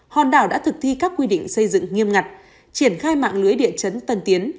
hòn đảo đã thực thi các quy định xây dựng nghiêm ngặt triển khai mạng lưới địa chấn tân tiến